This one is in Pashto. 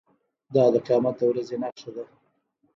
دا د قیامت د ورځې نښه ده.